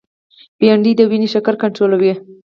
بېنډۍ د وینې شکر کنټرولوي